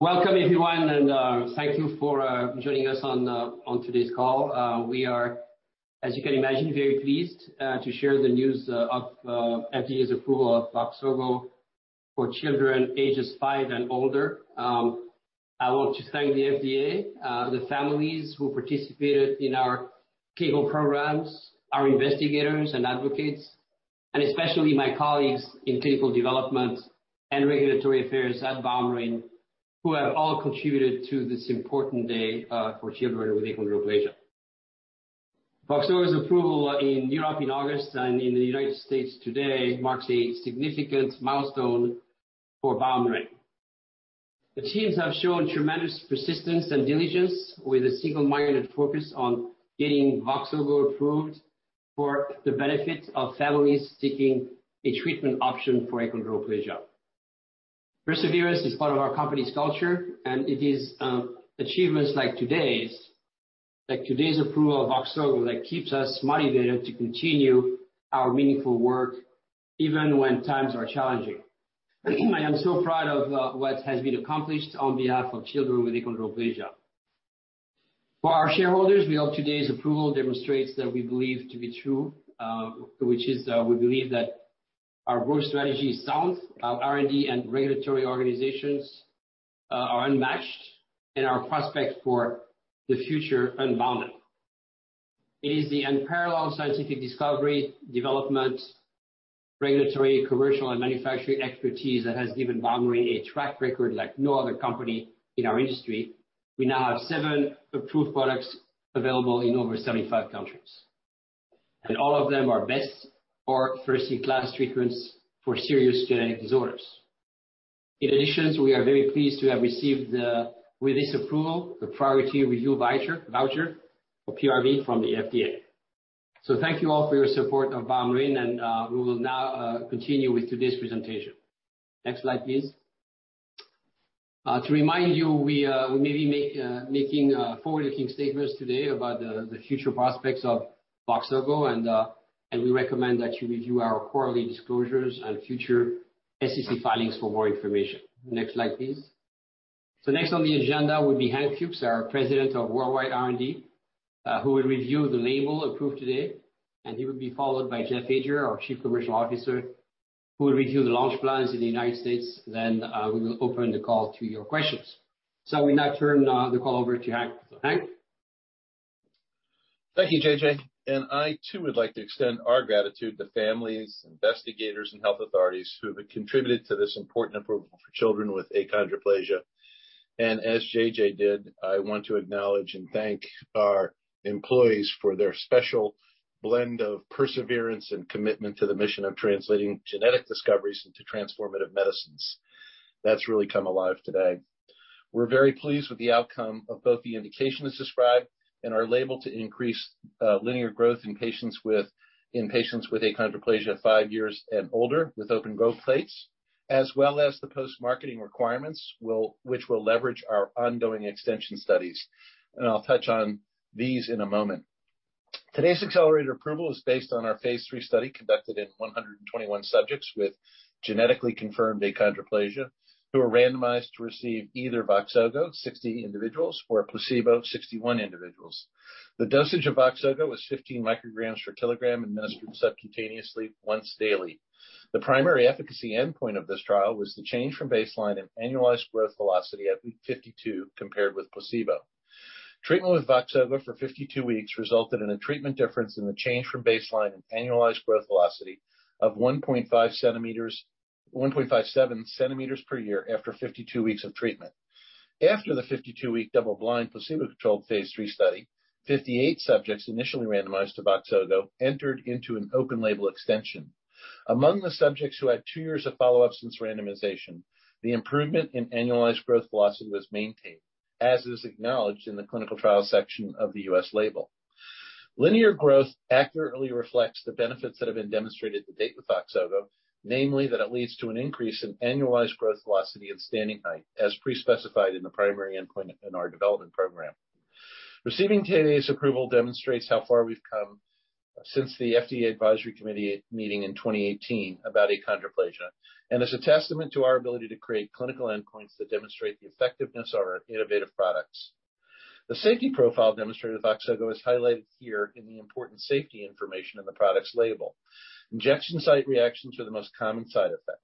Welcome everyone, and thank you for joining us on today's call. We are, as you can imagine, very pleased to share the news of FDA's approval of VOXZOGO for children ages five and older. I want to thank the FDA, the families who participated in our clinical programs, our investigators and advocates, and especially my colleagues in clinical development and regulatory affairs at BioMarin, who have all contributed to this important day for children with achondroplasia. VOXZOGO's approval in Europe in August and in the United States today marks a significant milestone for BioMarin. The teams have shown tremendous persistence and diligence with a single-minded focus on getting VOXZOGO approved for the benefit of families seeking a treatment option for achondroplasia. Perseverance is part of our company's culture, and it is achievements like today's approval of VOXZOGO that keeps us motivated to continue our meaningful work even when times are challenging. I am so proud of what has been accomplished on behalf of children with achondroplasia. For our shareholders, we hope today's approval demonstrates that we believe to be true, which is, we believe that our growth strategy is sound, our R&D and regulatory organizations are unmatched, and our prospects for the future unbounded. It is the unparalleled scientific discovery, development, regulatory, commercial, and manufacturing expertise that has given BioMarin a track record like no other company in our industry. We now have seven approved products available in over 75 countries. All of them are best or first-in-class treatments for serious genetic disorders. In addition, we are very pleased to have received, with this approval, the Priority Review Voucher or PRV from the FDA. Thank you all for your support of BioMarin, and we will now continue with today's presentation. Next slide, please. To remind you, we may be making forward-looking statements today about the future prospects of VOXZOGO, and we recommend that you review our quarterly disclosures and future SEC filings for more information. Next slide, please. Next on the agenda will be Hank Fuchs, our President of Worldwide R&D, who will review the label approved today, and he will be followed by Jeff Ajer, our Chief Commercial Officer, who will review the launch plans in the United States. We will open the call to your questions. I will now turn the call over to Hank. Hank. Thank you, JJ. I too would like to extend our gratitude to families, investigators and health authorities who have contributed to this important approval for children with achondroplasia. As JJ did, I want to acknowledge and thank our employees for their special blend of perseverance and commitment to the mission of translating genetic discoveries into transformative medicines. That's really come alive today. We're very pleased with the outcome of both the indication as described and the label to increase linear growth in patients with achondroplasia five years and older with open growth plates, as well as the post-marketing requirements which will leverage our ongoing extension studies. I'll touch on these in a moment. Today's accelerated approval is based on our phase III study conducted in 121 subjects with genetically confirmed achondroplasia, who were randomized to receive either VOXZOGO, 60 individuals, or a placebo, 61 individuals. The dosage of VOXZOGO was 15 micrograms per kilogram administered subcutaneously once daily. The primary efficacy endpoint of this trial was the change from baseline in annualized growth velocity at week 52 compared with placebo. Treatment with VOXZOGO for 52 weeks resulted in a treatment difference in the change from baseline in annualized growth velocity of 1.57 centimeters per year after 52 weeks of treatment. After the 52-week double-blind placebo-controlled phase III study, 58 subjects initially randomized to VOXZOGO entered into an open-label extension. Among the subjects who had two years of follow-up since randomization, the improvement in annualized growth velocity was maintained, as is acknowledged in the clinical trial section of the U.S. label. Linear growth accurately reflects the benefits that have been demonstrated to date with VOXZOGO, namely that it leads to an increase in annualized growth velocity and standing height, as pre-specified in the primary endpoint in our development program. Receiving today's approval demonstrates how far we've come since the FDA Advisory Committee meeting in 2018 about achondroplasia, and is a testament to our ability to create clinical endpoints that demonstrate the effectiveness of our innovative products. The safety profile demonstrated with VOXZOGO is highlighted here in the important safety information in the product's label. Injection site reactions are the most common side effect.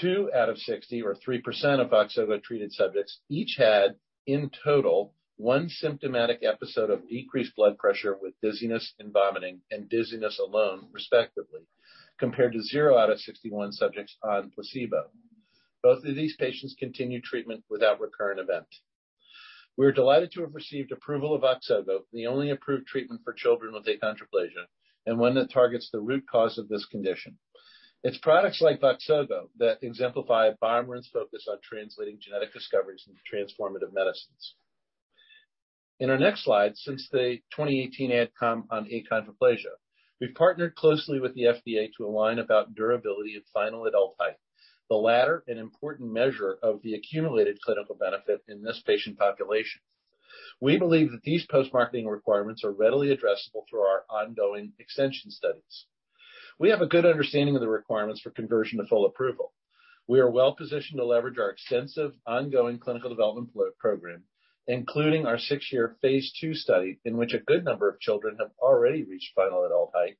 Two out of 60 or 3% of VOXZOGO-treated subjects each had, in total, one symptomatic episode of decreased blood pressure with dizziness and vomiting and dizziness alone, respectively, compared to zero out of 61 subjects on placebo. Both of these patients continued treatment without recurrent event. We're delighted to have received approval of VOXZOGO, the only approved treatment for children with achondroplasia and one that targets the root cause of this condition. It's products like VOXZOGO that exemplify BioMarin's focus on translating genetic discoveries into transformative medicines. In our next slide, since the 2018 AdCom on achondroplasia, we've partnered closely with the FDA to align about durability and final adult height, the latter an important measure of the accumulated clinical benefit in this patient population. We believe that these post-marketing requirements are readily addressable through our ongoing extension studies. We have a good understanding of the requirements for conversion to full approval. We are well-positioned to leverage our extensive ongoing clinical development program, including our six-year phase II study in which a good number of children have already reached final adult height.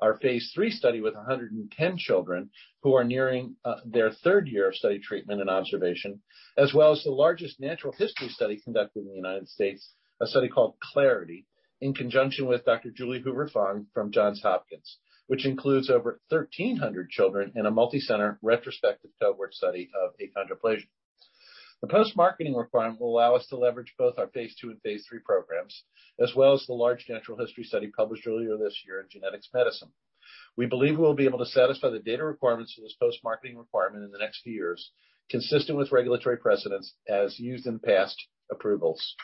Our phase III study with 110 children who are nearing their third year of study treatment and observation, as well as the largest natural history study conducted in the United States, a study called CLARITY, in conjunction with Dr. Julie Hoover-Fong from Johns Hopkins, which includes over 1,300 children in a multi-center retrospective cohort study of achondroplasia. The post-marketing requirement will allow us to leverage both our phase II and phase III programs, as well as the large natural history study published earlier this year in Genetics in Medicine. We believe we'll be able to satisfy the data requirements for this post-marketing requirement in the next few years, consistent with regulatory precedents as used in past approvals.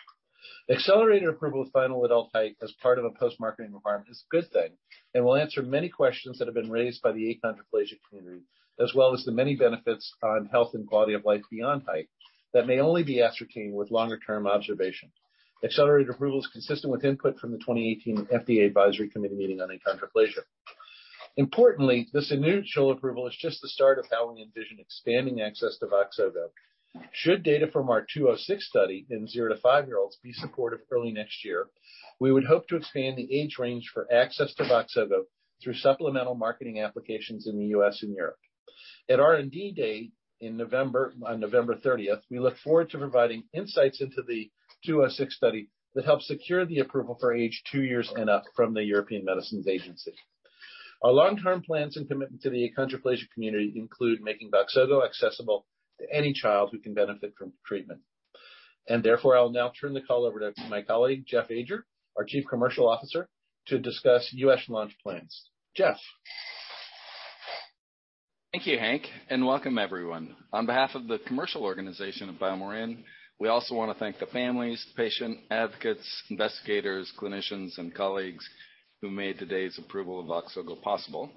Accelerated approval of final adult height as part of a post-marketing requirement is a good thing, and will answer many questions that have been raised by the achondroplasia community, as well as the many benefits on health and quality of life beyond height that may only be ascertained with longer term observation. Accelerated approval is consistent with input from the 2018 FDA Advisory Committee meeting on achondroplasia. Importantly, this initial approval is just the start of how we envision expanding access to VOXZOGO. Should data from our 206 study in zero to five-year-olds be supportive early next year, we would hope to expand the age range for access to VOXZOGO through supplemental marketing applications in the U.S. and Europe. At R&D Day in November, on November 30th, we look forward to providing insights into the 206 study that helped secure the approval for age two years and up from the European Medicines Agency. Our long-term plans and commitment to the achondroplasia community include making Voxzogo accessible to any child who can benefit from treatment. Therefore, I'll now turn the call over to my colleague, Jeff Ajer, our Chief Commercial Officer, to discuss U.S. launch plans. Jeff. Thank you, Hank, and welcome everyone. On behalf of the commercial organization of BioMarin, we also wanna thank the families, patient advocates, investigators, clinicians, and colleagues who made today's approval of VOXZOGO possible.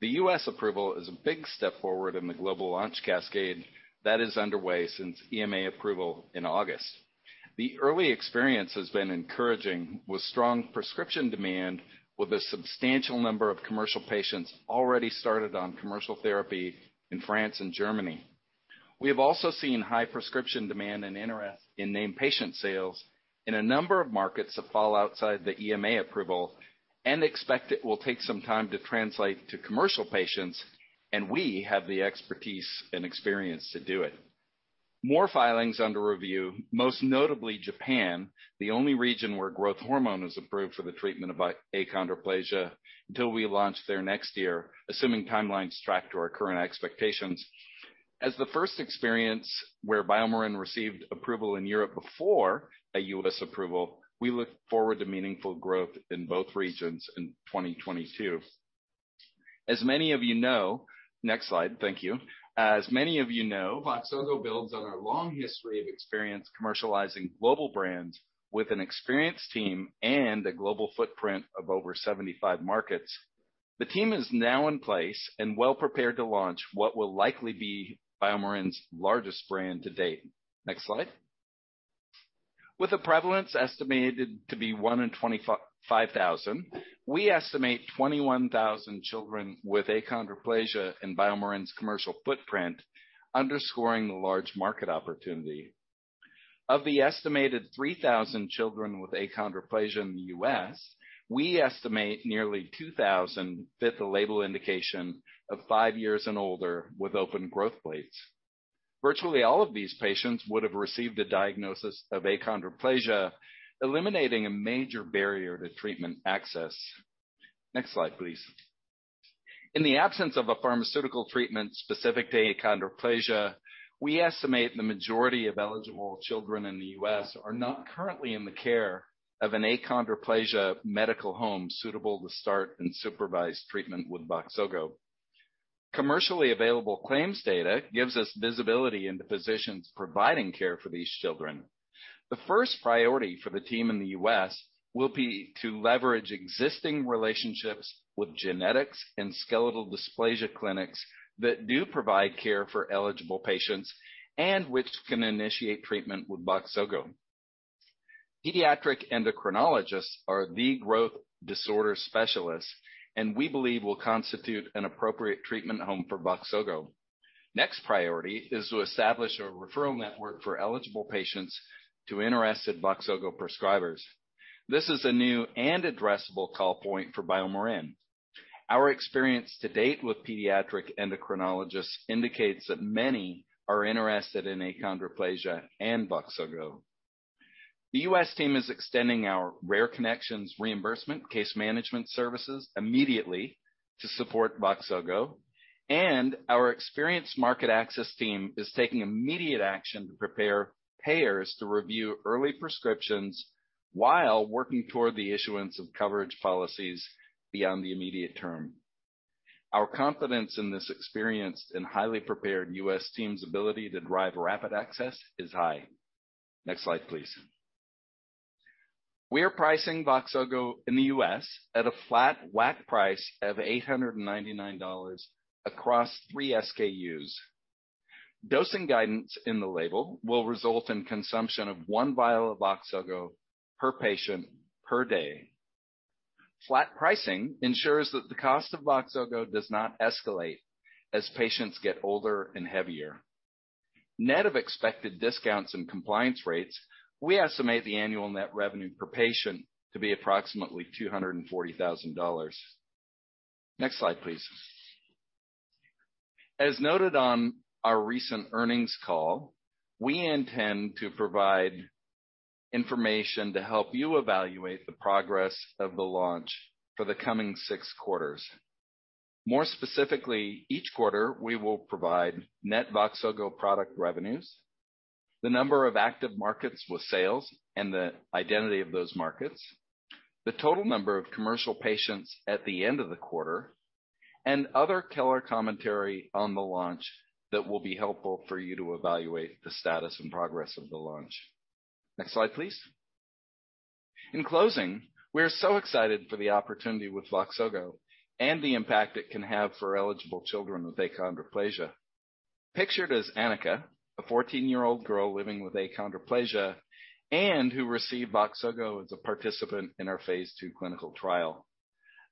The U.S. approval is a big step forward in the global launch cascade that is underway since EMA approval in August. The early experience has been encouraging with strong prescription demand with a substantial number of commercial patients already started on commercial therapy in France and Germany. We have also seen high prescription demand and interest in name patient sales in a number of markets that fall outside the EMA approval and expect it will take some time to translate to commercial patients, and we have the expertise and experience to do it. More filings under review, most notably Japan, the only region where growth hormone is approved for the treatment of achondroplasia, until we launch there next year, assuming timelines track to our current expectations. As the first experience where BioMarin received approval in Europe before a U.S. approval, we look forward to meaningful growth in both regions in 2022. As many of you know. Next slide, thank you. As many of you know, VOXZOGO builds on our long history of experience commercializing global brands with an experienced team and a global footprint of over 75 markets. The team is now in place and well-prepared to launch what will likely be BioMarin's largest brand to date. Next slide. With a prevalence estimated to be one in 25,000, we estimate 21,000 children with achondroplasia in BioMarin's commercial footprint underscoring the large market opportunity. Of the estimated 3,000 children with achondroplasia in the U.S., we estimate nearly 2,000 fit the label indication of five years and older with open growth plates. Virtually all of these patients would have received a diagnosis of achondroplasia, eliminating a major barrier to treatment access. Next slide, please. In the absence of a pharmaceutical treatment specific to achondroplasia, we estimate the majority of eligible children in the U.S. are not currently in the care of an achondroplasia medical home suitable to start and supervise treatment with VOXZOGO. Commercially available claims data gives us visibility into physicians providing care for these children. The first priority for the team in the U.S. will be to leverage existing relationships with genetics and skeletal dysplasia clinics that do provide care for eligible patients and which can initiate treatment with VOXZOGO. Pediatric endocrinologists are the growth disorder specialists, and we believe they will constitute an appropriate treatment home for VOXZOGO. Next priority is to establish a referral network for eligible patients to interested VOXZOGO prescribers. This is a new and addressable call point for BioMarin. Our experience to date with pediatric endocrinologists indicates that many are interested in achondroplasia and VOXZOGO. The U.S. team is extending our RareConnections reimbursement case management services immediately to support VOXZOGO. Our experienced market access team is taking immediate action to prepare payers to review early prescriptions while working toward the issuance of coverage policies beyond the immediate term. Our confidence in this experienced and highly prepared U.S. team's ability to drive rapid access is high. Next slide, please. We are pricing VOXZOGO in the U.S. at a flat WAC price of $899 across three SKUs. Dosing guidance in the label will result in consumption of one vial of VOXZOGO per patient per day. Flat pricing ensures that the cost of VOXZOGO does not escalate as patients get older and heavier. Net of expected discounts and compliance rates, we estimate the annual net revenue per patient to be approximately $240,000. Next slide, please. As noted on our recent earnings call, we intend to provide information to help you evaluate the progress of the launch for the coming six quarters. More specifically, each quarter, we will provide net VOXZOGO product revenues, the number of active markets with sales and the identity of those markets, the total number of commercial patients at the end of the quarter, and other color commentary on the launch that will be helpful for you to evaluate the status and progress of the launch. Next slide, please. In closing, we are so excited for the opportunity with VOXZOGO and the impact it can have for eligible children with achondroplasia. Pictured is Anika, a 14-year-old girl living with achondroplasia and who received VOXZOGO as a participant in our phase II clinical trial.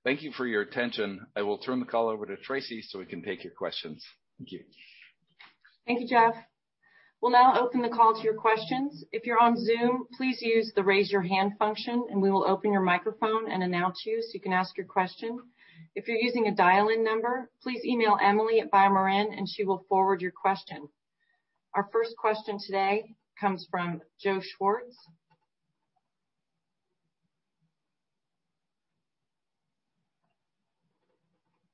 Thank you for your attention. I will turn the call over to Traci so we can take your questions. Thank you. Thank you, Jeff. We'll now open the call to your questions. If you're on Zoom, please use the raise your hand function, and we will open your microphone and announce you so you can ask your question. If you're using a dial-in number, please email Emily at BioMarin, and she will forward your question. Our first question today comes from Joe Schwartz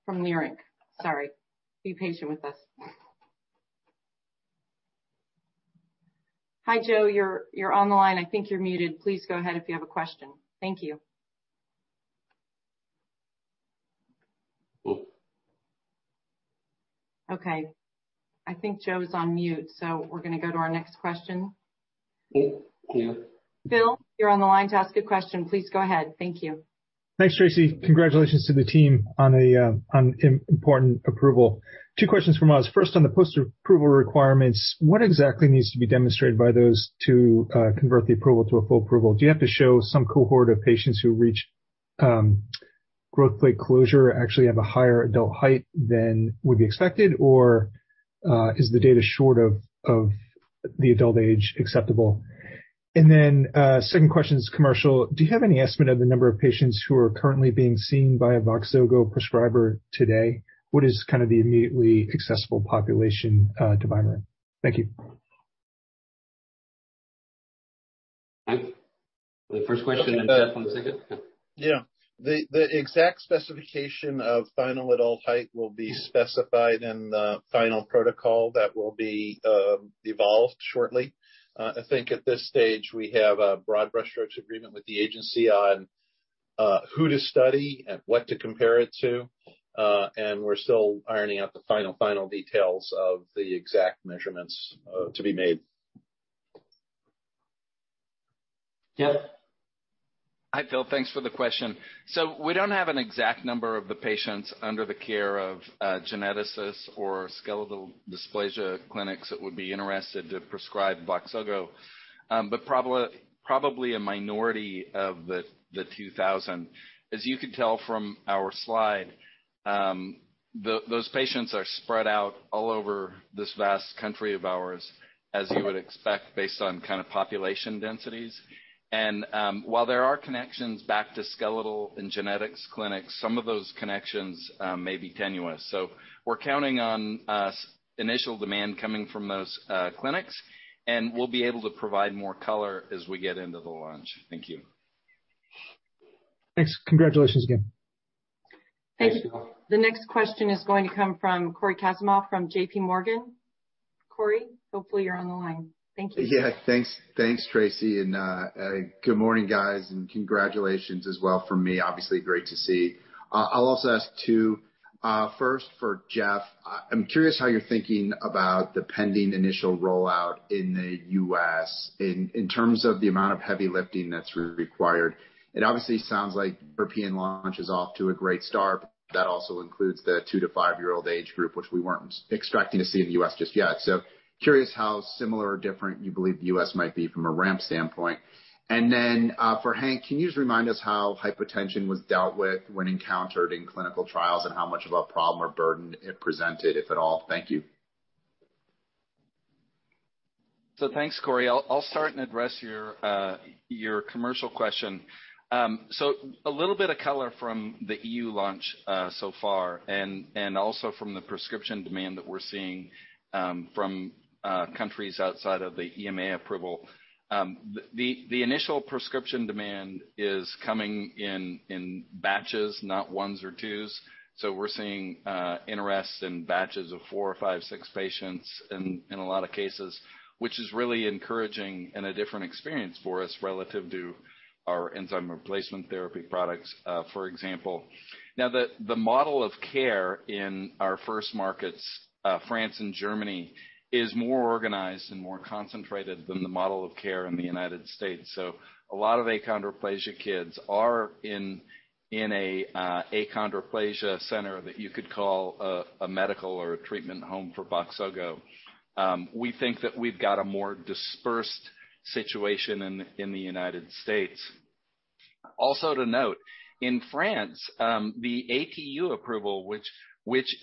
from New York. Sorry. Be patient with us. Hi, Joe. You're on the line. I think you're muted. Please go ahead if you have a question. Thank you. Okay, I think Joe is on mute, so we're gonna go to our next question. Yeah. Phil, you're on the line to ask a question. Please go ahead. Thank you. Thanks, Traci. Congratulations to the team on an important approval. Two questions from us. First, on the post-approval requirements, what exactly needs to be demonstrated by those to convert the approval to a full approval? Do you have to show some cohort of patients who reach growth plate closure actually have a higher adult height than would be expected? Or is the data short of the adult age acceptable? And then second question is commercial. Do you have any estimate of the number of patients who are currently being seen by a VOXZOGO prescriber today? What is kind of the immediately accessible population to BioMarin? Thank you. Hank, the first question, and Jeff on the second. Yeah. Yeah. The exact specification of final adult height will be specified in the final protocol that will be evolved shortly. I think at this stage we have a broad brushstrokes agreement with the agency on who to study and what to compare it to. We're still ironing out the final details of the exact measurements to be made. Jeff. Hi, Phil. Thanks for the question. We don't have an exact number of the patients under the care of geneticists or skeletal dysplasia clinics that would be interested to prescribe VOXZOGO, but probably a minority of the 2,000. As you could tell from our slide, those patients are spread out all over this vast country of ours, as you would expect based on kind of population densities. While there are connections back to skeletal and genetics clinics, some of those connections may be tenuous. We're counting on initial demand coming from those clinics, and we'll be able to provide more color as we get into the launch. Thank you. Thanks. Congratulations again. Thanks, Phil. Thank you. The next question is going to come from Cory Kasimov from J.P. Morgan. Cory, hopefully you're on the line. Thank you. Yeah. Thanks, Traci, and good morning, guys, and congratulations as well from me. Obviously great to see. I'll also ask two. First for Jeff, I'm curious how you're thinking about the pending initial rollout in the U.S. in terms of the amount of heavy lifting that's required. It obviously sounds like European launch is off to a great start. That also includes the two to five-year-old age group, which we weren't expecting to see in the U.S. just yet. Curious how similar or different you believe the U.S. might be from a ramp standpoint. For Hank, can you just remind us how hypotension was dealt with when encountered in clinical trials, and how much of a problem or burden it presented, if at all? Thank you. Thanks, Cory. I'll start and address your commercial question. A little bit of color from the EU launch so far and also from the prescription demand that we're seeing from countries outside of the EMA approval. The initial prescription demand is coming in batches, not ones or twos. We're seeing interest in batches of four or five, six patients in a lot of cases, which is really encouraging and a different experience for us relative to our enzyme replacement therapy products, for example. The model of care in our first markets, France and Germany, is more organized and more concentrated than the model of care in the United States. A lot of achondroplasia kids are in a achondroplasia center that you could call a medical or a treatment home for VOXZOGO. We think that we've got a more dispersed situation in the United States. Also to note, in France, the ATU approval, which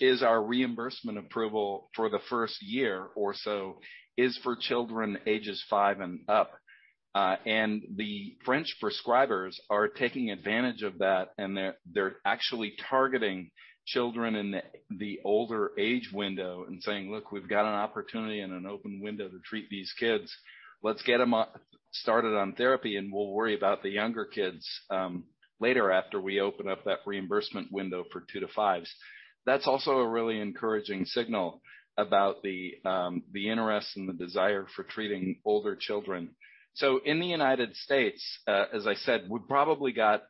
is our reimbursement approval for the first year or so, is for children ages five and up. The French prescribers are taking advantage of that, and they're actually targeting children in the older age window and saying, "Look, we've got an opportunity and an open window to treat these kids. Let's get them started on therapy, and we'll worry about the younger kids later after we open up that reimbursement window for 2 to 5s." That's also a really encouraging signal about the interest and the desire for treating older children. In the United States, as I said, we probably got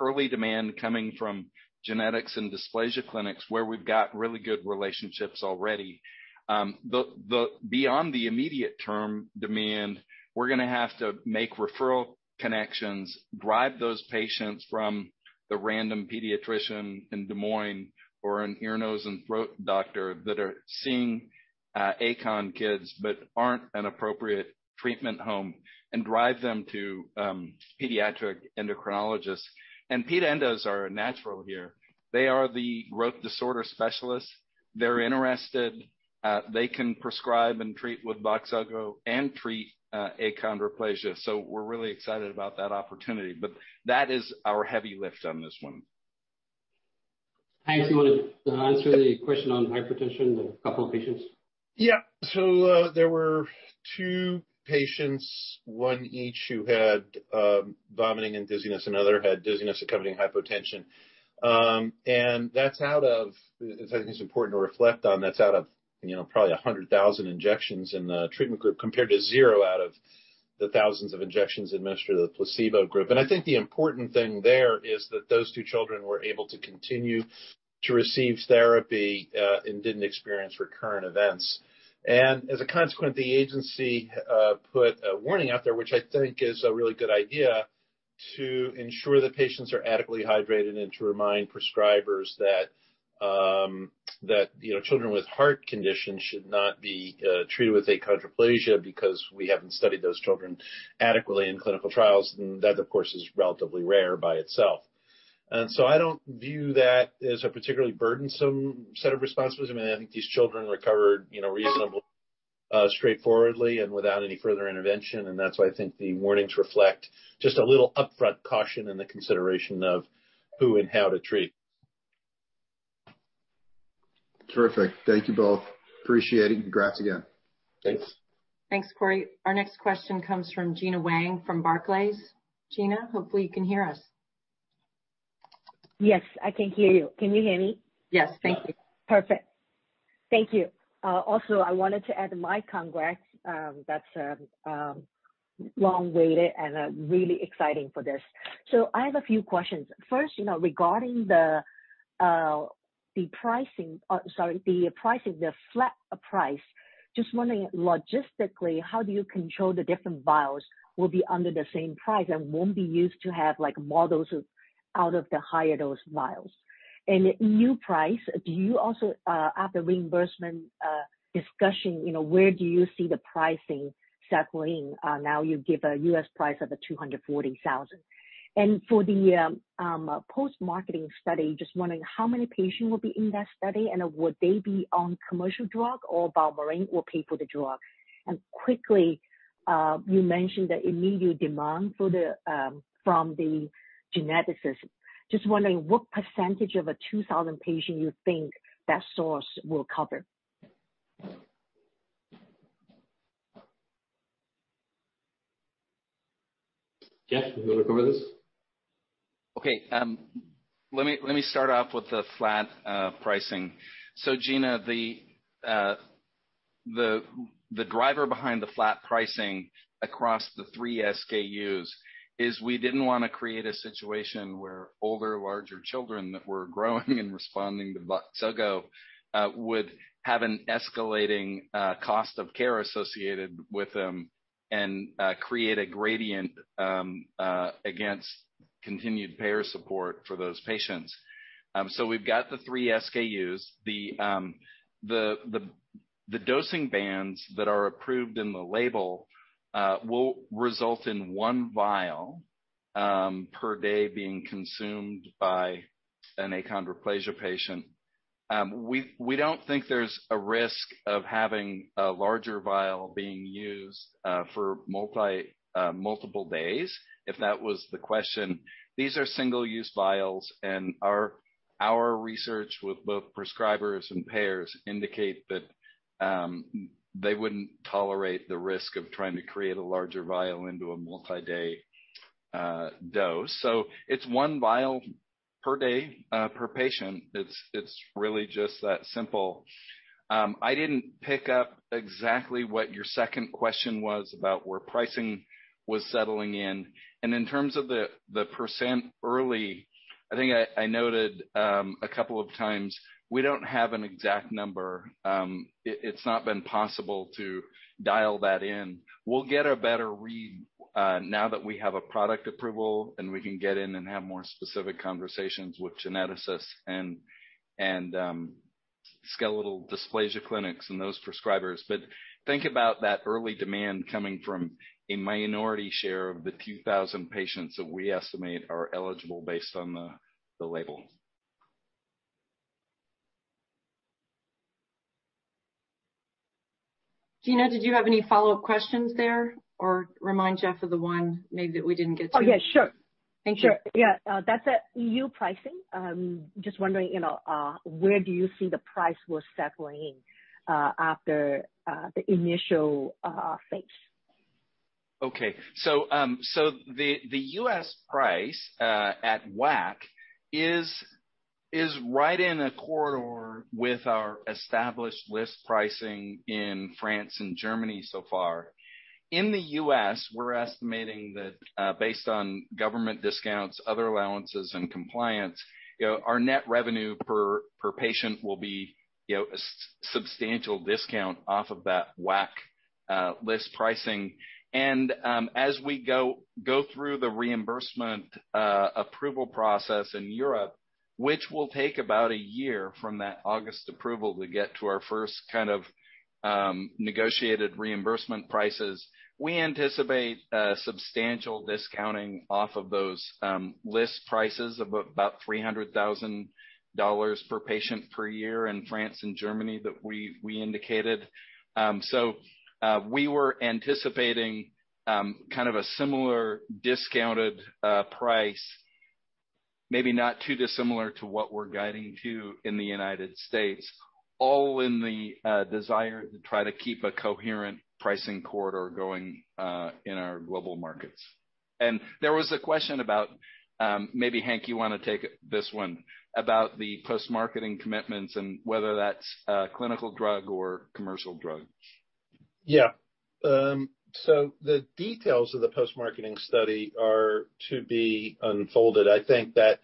early demand coming from genetics and dysplasia clinics where we've got really good relationships already. Beyond the immediate term demand, we're gonna have to make referral connections, drive those patients from the random pediatrician in Des Moines or an ear, nose, and throat doctor that are seeing achondroplasia kids but aren't an appropriate treatment home, and drive them to pediatric endocrinologists. Ped endos are a natural here. They are the growth disorder specialists. They're interested. They can prescribe and treat with VOXZOGO achondroplasia, so we're really excited about that opportunity. That is our heavy lift on this one. Hank, do you wanna answer the question on hypertension in a couple of patients? There were two patients, one each who had vomiting and dizziness, another had dizziness accompanying hypotension. That's out of, you know, probably 100,000 injections in the treatment group, compared to zero out of the thousands of injections administered to the placebo group. I think the important thing there is that those two children were able to continue to receive therapy and didn't experience recurrent events. As a consequence, the agency put a warning out there, which I think is a really good idea, to ensure that patients are adequately hydrated and to remind prescribers that, you know, children with heart conditions should not be treated for achondroplasia because we haven't studied those children adequately in clinical trials. That, of course, is relatively rare by itself. I don't view that as a particularly burdensome set of responses. I mean, I think these children recovered, you know, reasonably, straightforwardly and without any further intervention, and that's why I think the warnings reflect just a little upfront caution in the consideration of who and how to treat. Terrific. Thank you both. Appreciate it, and congrats again. Thanks. Thanks, Cory. Our next question comes from Gena Wang from Barclays. Gena, hopefully you can hear us. Yes, I can hear you. Can you hear me? Yes. Thank you. Perfect. Thank you. Also, I wanted to add my congrats. That's long-awaited and really exciting for this. So I have a few questions. First, you know, regarding the pricing, the flat price. Just wondering logistically, how do you control the different vials will be under the same price and won't be used to have like models of out of the higher dose vials? And new price, do you also have the reimbursement discussion, you know, where do you see the pricing settling? Now you give a U.S. price of $240,000. And for the post-marketing study, just wondering how many patients will be in that study, and would they be on commercial drug or BioMarin will pay for the drug? Quickly, you mentioned the immediate demand from the geneticists. Just wondering what percentage of a 2000 patient you think that source will cover. Jeff, do you wanna cover this? Okay. Let me start off with the flat pricing. Gena, the driver behind the flat pricing across the three SKUs is we didn't wanna create a situation where older, larger children that were growing and responding to VOXZOGO would have an escalating cost of care associated with them and create a gradient against continued payer support for those patients. We've got the three SKUs. The dosing bands that are approved in the label will result in one vial per day being consumed by an achondroplasia patient. We don't think there's a risk of having a larger vial being used for multiple days, if that was the question. These are single-use vials, and our research with both prescribers and payers indicate that they wouldn't tolerate the risk of trying to create a larger vial into a multi-day dose. So it's one vial per day per patient. It's really just that simple. I didn't pick up exactly what your second question was about where pricing was settling in. In terms of the percent early, I think I noted a couple of times we don't have an exact number. It's not been possible to dial that in. We'll get a better read now that we have a product approval, and we can get in and have more specific conversations with geneticists and skeletal dysplasia clinics and those prescribers. Think about that early demand coming from a minority share of the few thousand patients that we estimate are eligible based on the label. Gena, did you have any follow-up questions there or remind Jeff of the one maybe that we didn't get to? Oh, yeah, sure. Thank you. Sure. Yeah. That's at EU pricing. Just wondering, you know, where do you see the price will settling in after the initial phase? The U.S. price at WAC is right in a corridor with our established list pricing in France and Germany so far. In the U.S., we're estimating that, based on government discounts, other allowances, and compliance, you know, our net revenue per patient will be, you know, a substantial discount off of that WAC list pricing. As we go through the reimbursement approval process in Europe, which will take about a year from that August approval to get to our first kind of negotiated reimbursement prices. We anticipate a substantial discounting off of those list prices of about $300,000 per patient per year in France and Germany that we indicated. We were anticipating kind of a similar discounted price, maybe not too dissimilar to what we're guiding to in the United States, all in the desire to try to keep a coherent pricing corridor going in our global markets. There was a question about, maybe Hank, you wanna take this one, about the post-marketing commitments and whether that's a clinical drug or commercial drug. Yeah. So the details of the post-marketing study are to be unfolded. I think that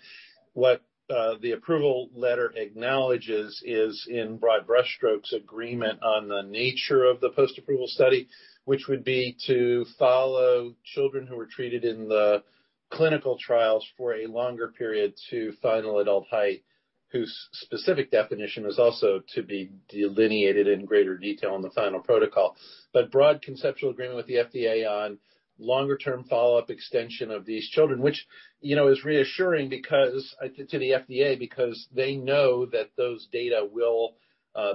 what the approval letter acknowledges is in broad brushstrokes agreement on the nature of the post-approval study, which would be to follow children who were treated in the clinical trials for a longer period to final adult height, whose specific definition is also to be delineated in greater detail in the final protocol. Broad conceptual agreement with the FDA on longer-term follow-up extension of these children, which, you know, is reassuring because to the FDA, because they know that those data will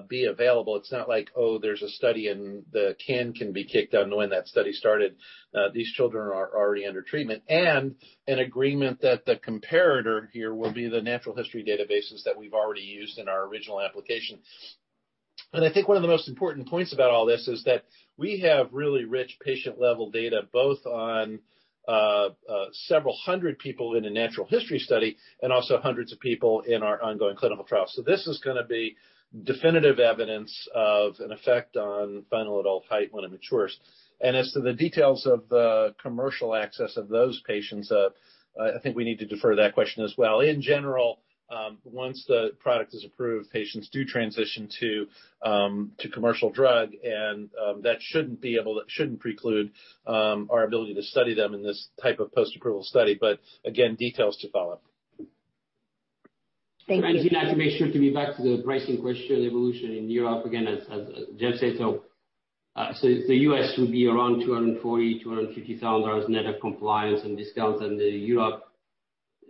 be available. It's not like, oh, there's a study, and the can be kicked down to when that study started. These children are already under treatment. An agreement that the comparator here will be the natural history databases that we've already used in our original application. I think one of the most important points about all this is that we have really rich patient-level data, both on several hundred people in a natural history study and also hundreds of people in our ongoing clinical trial. This is gonna be definitive evidence of an effect on final adult height when it matures. As to the details of the commercial access of those patients, I think we need to defer that question as well. In general, once the product is approved, patients do transition to commercial drug, and that shouldn't preclude our ability to study them in this type of post-approval study. Again, details to follow. Thank you. Brian? Gena, to make sure to be back to the pricing question evolution in Europe, again, as Jeff said, so the U.S. will be around $240,000-$250,000 net of compliance and discounts. In Europe,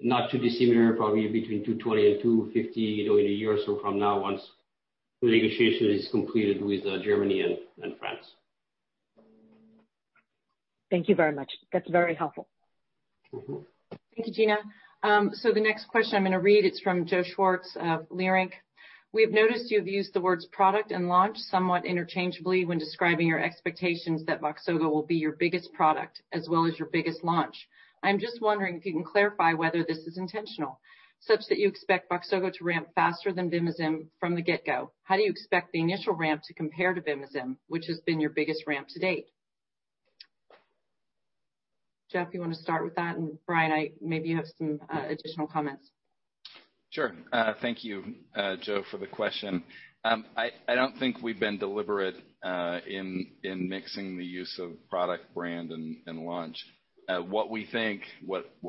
not too dissimilar, probably between $220,000-$250,000, you know, in a year or so from now once the negotiation is completed with Germany and France. Thank you very much. That's very helpful. Thank you, Gena. So the next question I'm gonna read, it's from Joe Schwartz of Leerink. We have noticed you've used the words product and launch somewhat interchangeably when describing your expectations that VOXZOGO will be your biggest product as well as your biggest launch. I'm just wondering if you can clarify whether this is intentional, such that you expect VOXZOGO to ramp faster than VIMIZIM from the get-go. How do you expect the initial ramp to compare to VIMIZIM, which has been your biggest ramp to date? Jeff, you wanna start with that? And Brian, maybe you have some additional comments. Sure. Thank you, Joe, for the question. I don't think we've been deliberate in mixing the use of product brand and launch. What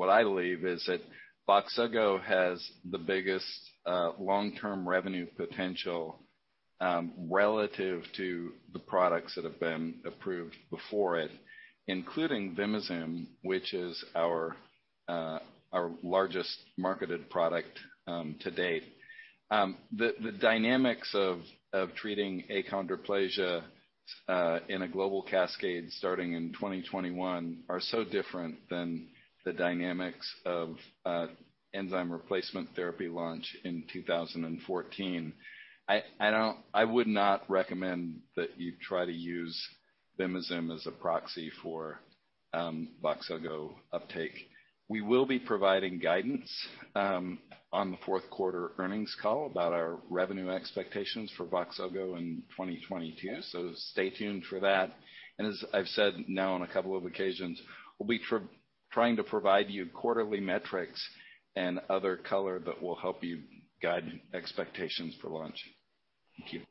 I believe is that VOXZOGO has the biggest long-term revenue potential relative to the products that have been approved before it, including VIMIZIM, which is our largest marketed product to date. The dynamics of treating achondroplasia in a global cascade starting in 2021 are so different than the dynamics of an enzyme replacement therapy launch in 2014. I don't recommend that you try to use VIMIZIM as a proxy for VOXZOGO uptake. We will be providing guidance on the fourth quarter earnings call about our revenue expectations for VOXZOGO in 2022, so stay tuned for that. As I've said now on a couple of occasions, we'll be providing you quarterly metrics and other color that will help you guide expectations for launch. Thank you.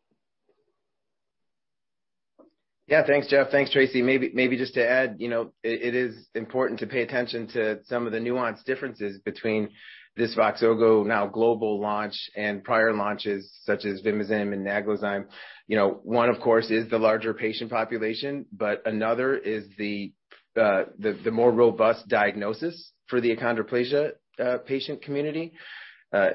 Yeah. Thanks, Jeff. Thanks, Traci. Maybe just to add, you know, it is important to pay attention to some of the nuanced differences between this VOXZOGO now global launch and prior launches such as VIMIZIM and NAGLAZYME. You know, one, of course, is the larger patient population, but another is the more robust diagnosis for the achondroplasia patient community.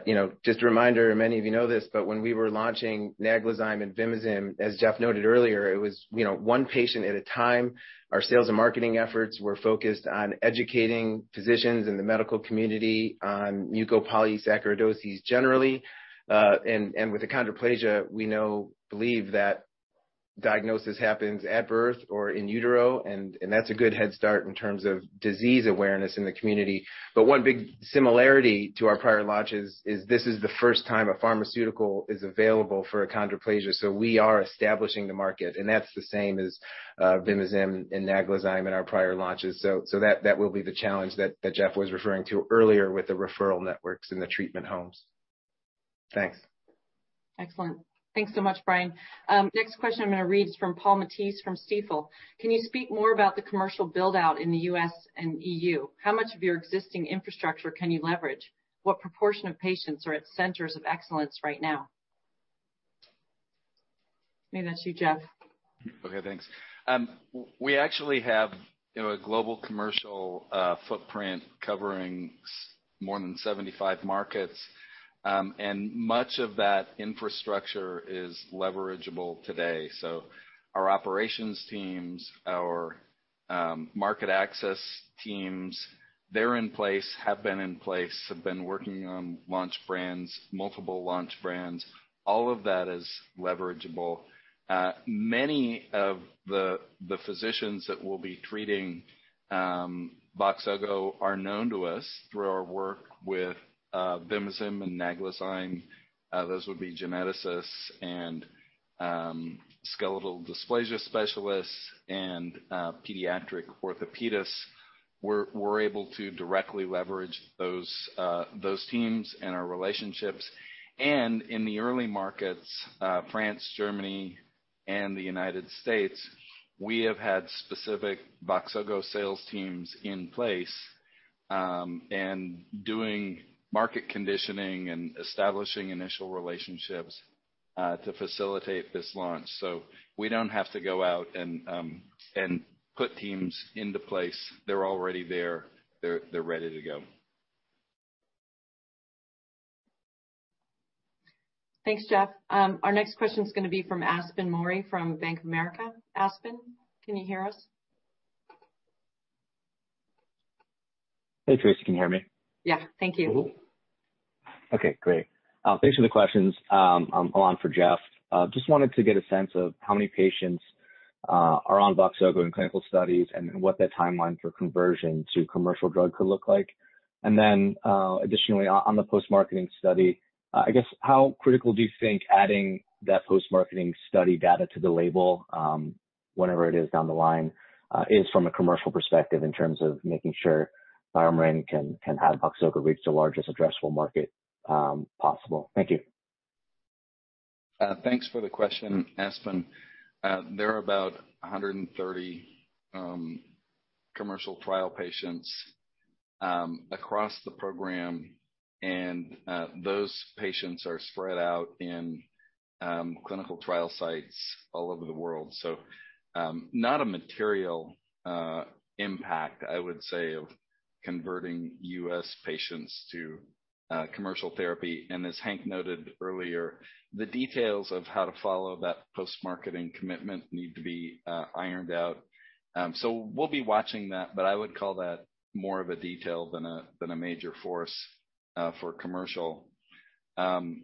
You know, just a reminder, many of you know this, but when we were launching NAGLAZYME and VIMIZIM, as Jeff noted earlier, it was, you know, one patient at a time. Our sales and marketing efforts were focused on educating physicians in the medical community on mucopolysaccharidosis generally. With achondroplasia, we believe that diagnosis happens at birth or in utero, and that's a good head start in terms of disease awareness in the community. One big similarity to our prior launches is this is the first time a pharmaceutical is available for achondroplasia, so we are establishing the market, and that's the same as VIMIZIM and NAGLAZYME in our prior launches. So that will be the challenge that Jeff was referring to earlier with the referral networks in the treatment homes. Thanks. Excellent. Thanks so much, Brian. Next question I'm gonna read is from Paul Matteis from Stifel. Can you speak more about the commercial build-out in the U.S. and EU? How much of your existing infrastructure can you leverage? What proportion of patients are at centers of excellence right now? Maybe that's you, Jeff. Okay, thanks. We actually have, you know, a global commercial footprint covering more than 75 markets. Much of that infrastructure is leverageable today. Our operations teams, our market access teams, they're in place, have been in place, have been working on launch brands, multiple launch brands. All of that is leverageable. Many of the physicians that will be treating VOXZOGO are known to us through our work with VIMIZIM and NAGLAZYME. Those would be geneticists and skeletal dysplasia specialists and pediatric orthopedists. We're able to directly leverage those teams and our relationships. In the early markets, France, Germany, and the United States, we have had specific VOXZOGO sales teams in place and doing market conditioning and establishing initial relationships to facilitate this launch. We don't have to go out and put teams into place. They're already there. They're ready to go. Thanks, Jeff. Our next question is gonna be from Aspen Mori from Bank of America. Geoff, can you hear us? Hey, Traci. Can you hear me? Yeah. Thank you. Mm-hmm. Okay, great. Thanks for the questions. I'm on for Geoff. Just wanted to get a sense of how many patients are on VOXZOGO in clinical studies, and what that timeline for conversion to commercial drug could look like. Additionally, on the post-marketing study, I guess how critical do you think adding that post-marketing study data to the label, whenever it is down the line, is from a commercial perspective in terms of making sure BioMarin can have VOXZOGO reach the largest addressable market possible? Thank you. Thanks for the question, Aspen. There are about 130 commercial trial patients across the program, and those patients are spread out in clinical trial sites all over the world. Not a material impact, I would say, of converting U.S. patients to commercial therapy. As Hank noted earlier, the details of how to follow that post-marketing commitment need to be ironed out. We'll be watching that, but I would call that more of a detail than a major force for commercial. Let's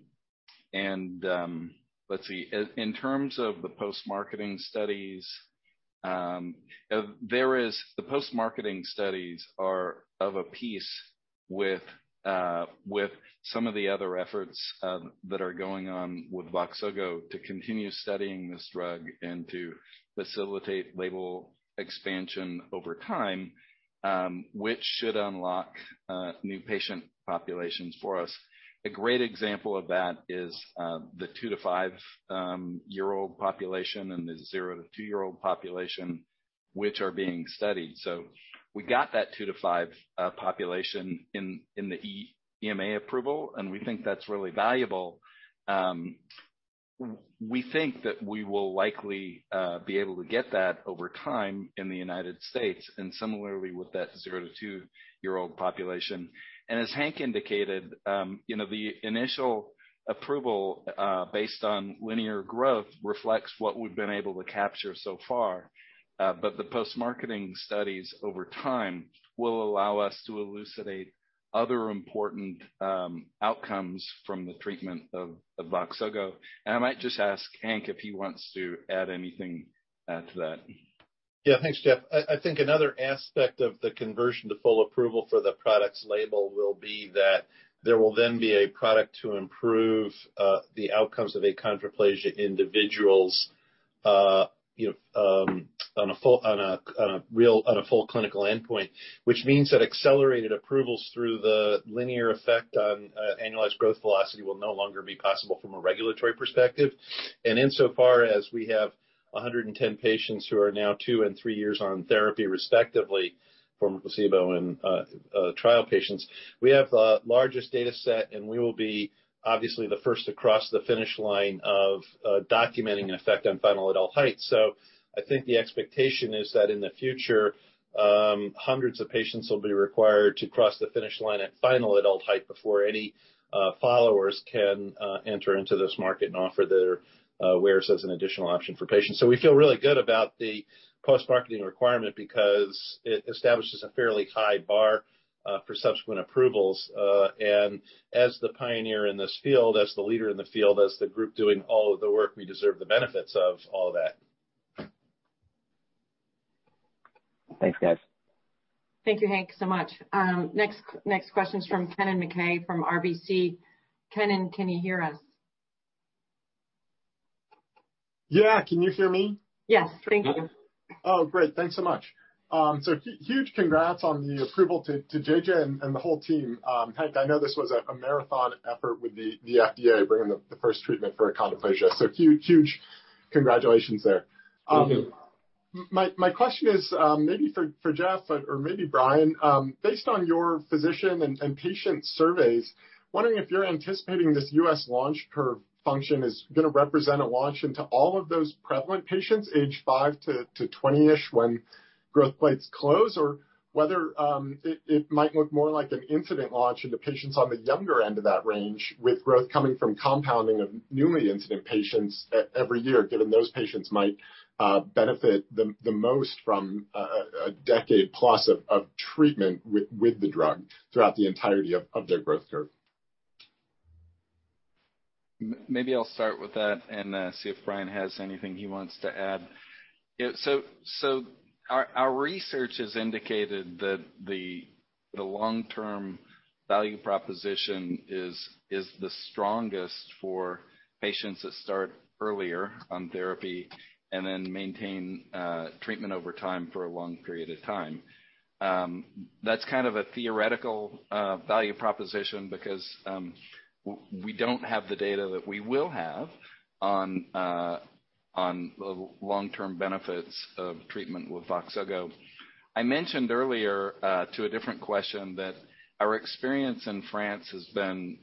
see. In terms of the post-marketing studies, the post-marketing studies are of a piece with some of the other efforts that are going on with VOXZOGO to continue studying this drug and to facilitate label expansion over time, which should unlock new patient populations for us. A great example of that is the two to five-year-old population and the zero to two-year-old population, which are being studied. We got that two to five-year-old population in the EMA approval, and we think that's really valuable. We think that we will likely be able to get that over time in the United States, and similarly with that zero to two-year-old population. As Hank indicated, you know, the initial approval based on linear growth reflects what we've been able to capture so far. The post-marketing studies over time will allow us to elucidate other important outcomes from the treatment of VOXZOGO. I might just ask Hank if he wants to add anything to that. Yeah. Thanks, Jeff. I think another aspect of the conversion to full approval for the product's label will be that there will then be a product to improve the outcomes of achondroplasia individuals, you know, on a full clinical endpoint. Which means that accelerated approvals through the linear effect on annualized growth velocity will no longer be possible from a regulatory perspective. Insofar as we have 110 patients who are now two and three years on therapy, respectively, from placebo and trial patients, we have the largest data set, and we will be obviously the first to cross the finish line of documenting an effect on final adult height. I think the expectation is that in the future, hundreds of patients will be required to cross the finish line at final adult height before any followers can enter into this market and offer their wares as an additional option for patients. We feel really good about the post-marketing requirement because it establishes a fairly high bar for subsequent approvals. As the pioneer in this field, as the leader in the field, as the group doing all of the work, we deserve the benefits of all that. Thanks, guys. Thank you, Hank, so much. Next question is from Kennen MacKay from RBC. Kennen, can you hear us? Yeah. Can you hear me? Yes. Thank you. Oh, great. Thanks so much. Huge congrats on the approval to JJ and the whole team. Hank, I know this was a marathon effort with the FDA bringing the first treatment for achondroplasia. Huge congratulations there. Thank you. My question is, maybe for Jeff or maybe Brian, based on your physician and patient surveys, wondering if you're anticipating this U.S. launch curve function is gonna represent a launch into all of those prevalent patients age five to 20-ish when growth plates close, or whether it might look more like an incident launch into patients on the younger end of that range with growth coming from compounding of newly incident patients every year, given those patients might benefit the most from a decade plus of treatment with the drug throughout the entirety of their growth curve. Maybe I'll start with that and see if Brian has anything he wants to add. Yeah, our research has indicated that the long-term value proposition is the strongest for patients that start earlier on therapy and then maintain treatment over time for a long period of time. That's kind of a theoretical value proposition because we don't have the data that we will have on the long-term benefits of treatment with VOXZOGO. I mentioned earlier to a different question that our experience in France has been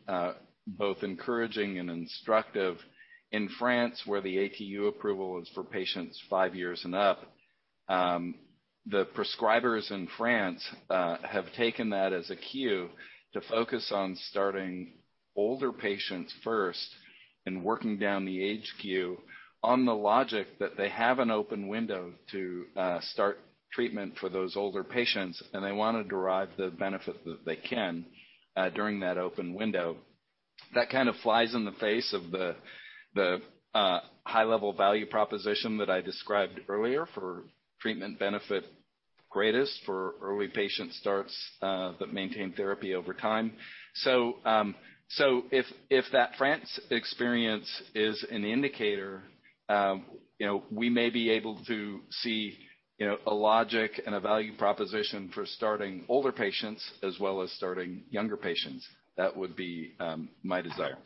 both encouraging and instructive. In France, where the ATU approval is for patients five years and up, the prescribers in France have taken that as a cue to focus on starting older patients first and working down the age queue on the logic that they have an open window to start treatment for those older patients, and they wanna derive the benefit that they can during that open window. That kind of flies in the face of the high-level value proposition that I described earlier for treatment benefit greatest for early patient starts that maintain therapy over time. If that France experience is an indicator, you know, we may be able to see, you know, a logic and a value proposition for starting older patients as well as starting younger patients. That would be my desire.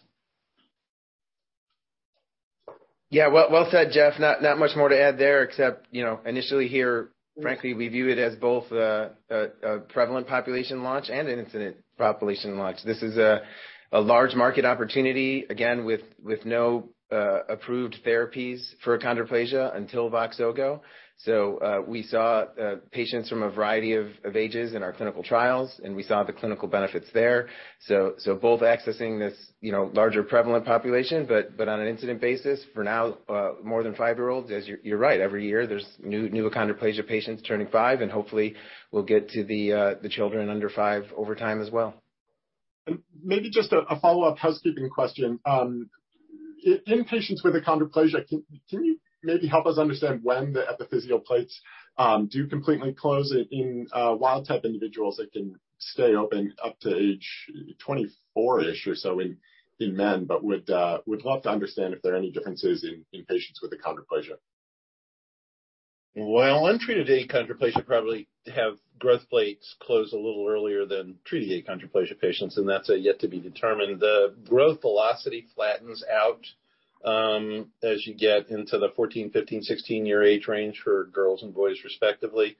Yeah. Well said, Jeff. Not much more to add there except, you know, initially here, frankly, we view it as both a prevalent population launch and an incident population launch. This is a large market opportunity, again, with no approved therapies for achondroplasia until VOXZOGO. We saw patients from a variety of ages in our clinical trials, and we saw the clinical benefits there. Both accessing this, you know, larger prevalent population, but on an incident basis for now, more than five-year-olds, as you're right. Every year there's new achondroplasia patients turning five, and hopefully we'll get to the children under five over time as well. Maybe just a follow-up housekeeping question. In patients with achondroplasia, can you maybe help us understand when the epiphyseal plates do completely close? In wild type individuals, it can stay open up to age 24-ish or so in men, but would love to understand if there are any differences in patients with achondroplasia. Well, untreated achondroplasia probably have growth plates close a little earlier than treated achondroplasia patients, and that's yet to be determined. The growth velocity flattens out, as you get into the 14, 15, 16-year age range for girls and boys, respectively.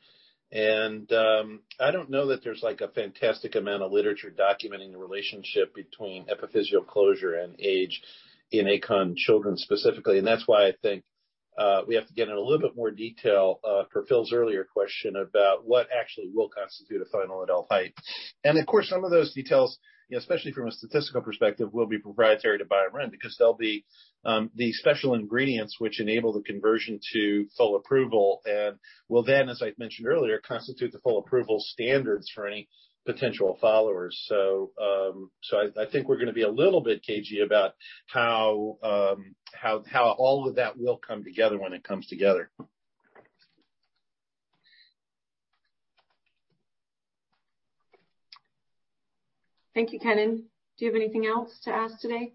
I don't know that there's like a fantastic amount of literature documenting the relationship between epiphyseal closure and age in achondroplasia children specifically. That's why I think we have to get in a little bit more detail, for Phil's earlier question about what actually will constitute a final adult height. Of course, some of those details, especially from a statistical perspective, will be proprietary to BioMarin, because they'll be the special ingredients which enable the conversion to full approval and will then, as I mentioned earlier, constitute the full approval standards for any potential followers. I think we're gonna be a little bit cagey about how all of that will come together when it comes together. Thank you. Kennen, do you have anything else to ask today?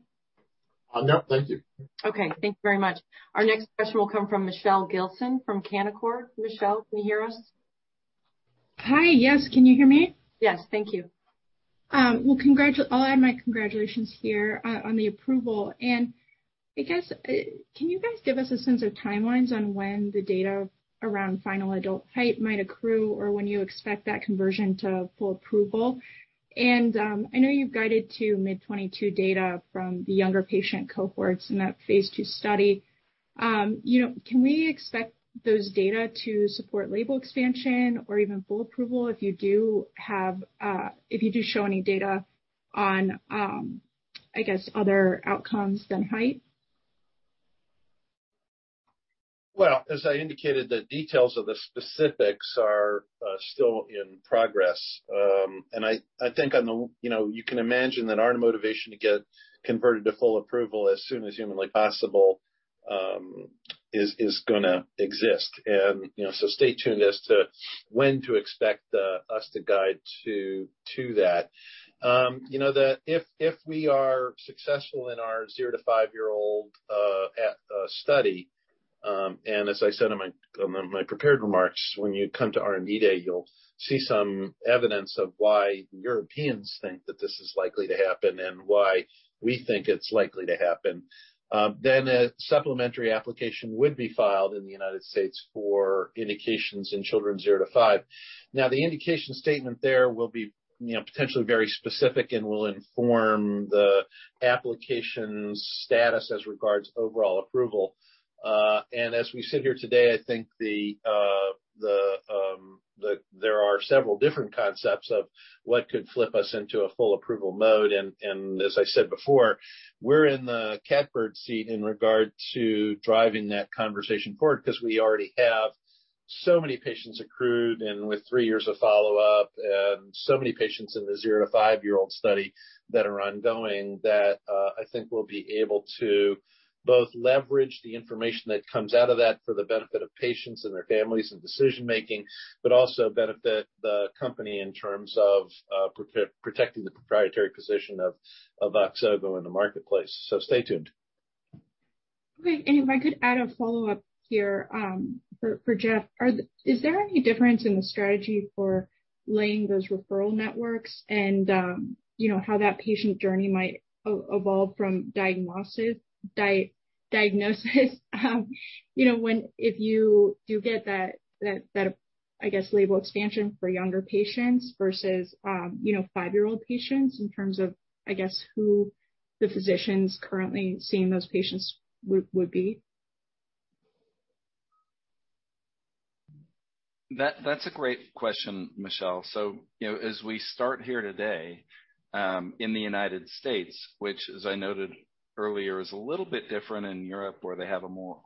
No. Thank you. Okay, thank you very much. Our next question will come from Michelle Gilson from Canaccord. Michelle, can you hear us? Hi. Yes. Can you hear me? Yes. Thank you. I'll add my congratulations here on the approval. I guess, can you guys give us a sense of timelines on when the data around final adult height might accrue or when you expect that conversion to full approval? I know you've guided to mid-2022 data from the younger patient cohorts in that phase II study. You know, can we expect those data to support label expansion or even full approval if you do show any data on, I guess, other outcomes than height? Well, as I indicated, the details of the specifics are still in progress. I think, you know, you can imagine that our motivation to get converted to full approval as soon as humanly possible is gonna exist. You know, stay tuned as to when to expect us to guide to that. If we are successful in our zero to five-year-old study and as I said in my prepared remarks, when you come to R&D Day, you'll see some evidence of why Europeans think that this is likely to happen and why we think it's likely to happen, a supplementary application would be filed in the United States for indications in children zero to five. Now, the indication statement there will be, you know, potentially very specific and will inform the application status as regards overall approval. As we sit here today, I think the there are several different concepts of what could flip us into a full approval mode. As I said before, we're in the catbird seat in regard to driving that conversation forward 'cause we already have so many patients accrued and with three years of follow-up and so many patients in the zero to five-year-old study that are ongoing that I think we'll be able to both leverage the information that comes out of that for the benefit of patients and their families in decision-making, but also benefit the company in terms of protecting the proprietary position of VOXZOGO in the marketplace. Stay tuned. Okay. If I could add a follow-up here, for Jeff. Is there any difference in the strategy for laying those referral networks and, you know, how that patient journey might evolve from diagnosis, you know, when if you do get that, I guess, label expansion for younger patients versus, you know, five-year-old patients in terms of, I guess, who the physicians currently seeing those patients would be? That's a great question, Michelle. You know, as we start here today, in the United States, which as I noted earlier, is a little bit different in Europe, where they have a more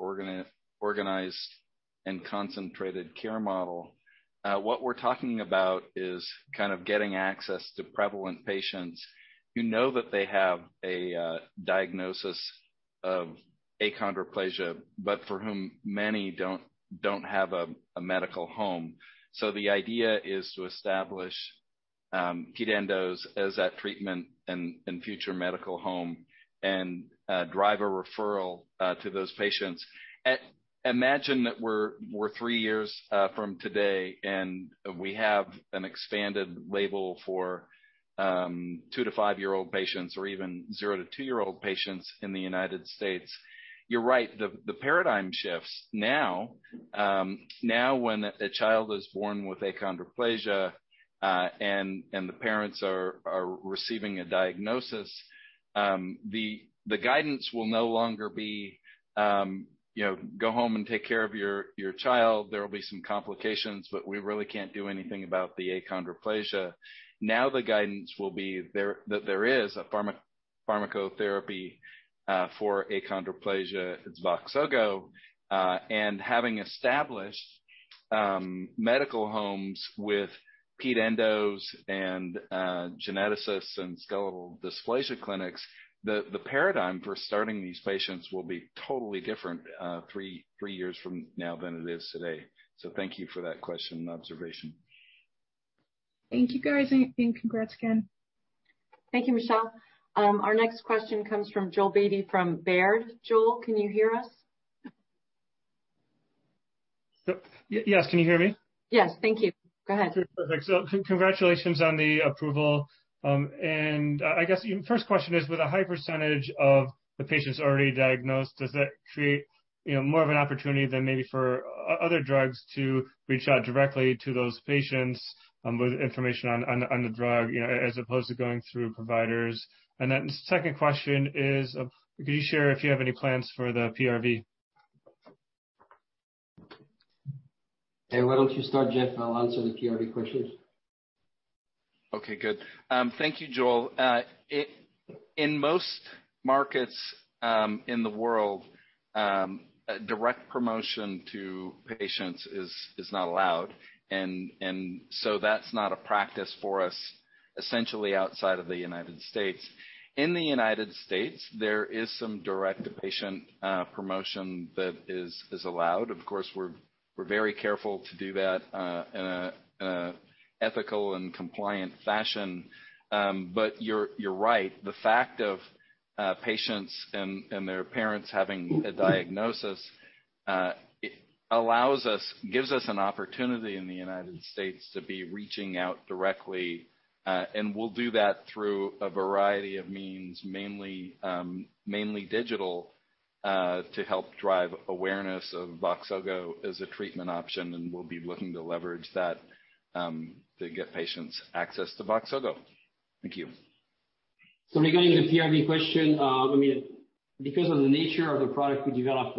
organized and concentrated care model. What we're talking about is kind of getting access to prevalent patients who know that they have a diagnosis of achondroplasia, but for whom many don't have a medical home. The idea is to establish ped endos as that treatment and future medical home and drive a referral to those patients. Imagine that we're three years from today, and we have an expanded label for two to five-year-old patients or even zero to two-year-old patients in the United States. You're right. The paradigm shifts. Now, now when a child is born with achondroplasia, and the parents are receiving a diagnosis, the guidance will no longer be, you know, "Go home and take care of your child. There will be some complications, but we really can't do anything about the achondroplasia." Now the guidance will be there, that there is a pharmacotherapy for achondroplasia. It's VOXZOGO. And having established medical homes with ped endos and geneticists and skeletal dysplasia clinics, the paradigm for starting these patients will be totally different, three years from now than it is today. Thank you for that question and observation. Thank you, guys. Congrats again. Thank you, Michelle. Our next question comes from Joe Beatty from Baird. Joel, can you hear us? Yes. Can you hear me? Yes. Thank you. Go ahead. Perfect. Congratulations on the approval. I guess first question is, with a high percentage of the patients already diagnosed, does that create, you know, more of an opportunity than maybe for other drugs to reach out directly to those patients, with information on the drug, you know, as opposed to going through providers? Second question is, could you share if you have any plans for the PRV? Why don't you start, Jeff? I'll answer the PRV questions. Okay, good. Thank you, Joel. In most markets in the world, direct promotion to patients is not allowed. That's not a practice for us essentially outside of the United States. In the United States, there is some direct patient promotion that is allowed. Of course, we're very careful to do that in an ethical and compliant fashion. You're right. The fact of patients and their parents having a diagnosis gives us an opportunity in the United States to be reaching out directly. We'll do that through a variety of means, mainly digital, to help drive awareness of VOXZOGO as a treatment option, and we'll be looking to leverage that to get patients access to VOXZOGO. Thank you. Regarding the PRV question, I mean, because of the nature of the product we developed,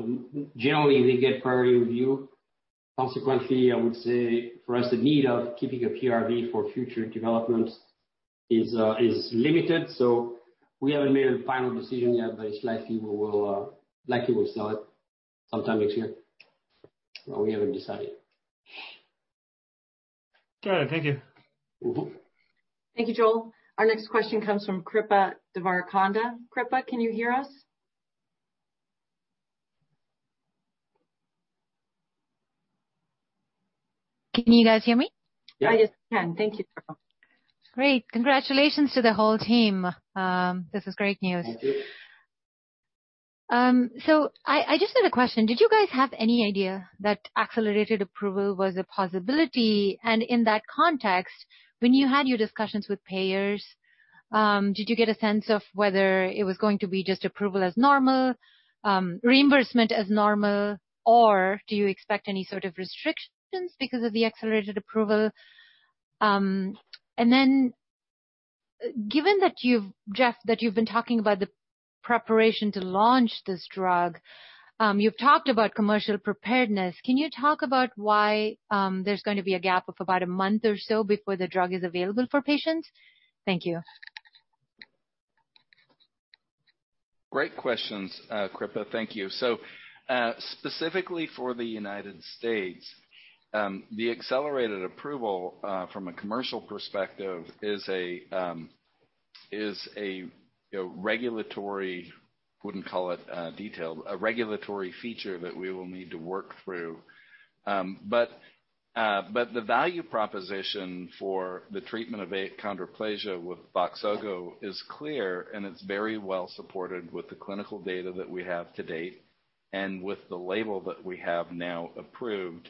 generally, they get priority review. Consequently, I would say for us, the need of keeping a PRV for future development is limited. We haven't made a final decision yet, but it's likely we'll sell it sometime next year. Well, we haven't decided. All right. Thank you. Thank you, Joel. Our next question comes from Kripa Devarakonda. Kripa, can you hear us? Can you guys hear me? I just can thank you. Great. Congratulations to the whole team. This is great news. I just had a question. Did you guys have any idea that accelerated approval was a possibility? In that context, when you had your discussions with payers, did you get a sense of whether it was going to be just approval as normal, reimbursement as normal, or do you expect any sort of restrictions because of the accelerated approval? Given that you, Jeff, have been talking about the preparation to launch this drug, you've talked about commercial preparedness. Can you talk about why there's going to be a gap of about a month or so before the drug is available for patients? Thank you. Great questions, Kripa. Thank you. Specifically for the United States, the accelerated approval from a commercial perspective is a regulatory, wouldn't call it a detail, a regulatory feature that we will need to work through. The value proposition for the treatment of achondroplasia with VOXZOGO is clear, and it's very well supported with the clinical data that we have to date and with the label that we have now approved.